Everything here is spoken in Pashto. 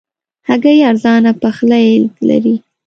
هګۍ ارزانه پخلی لري.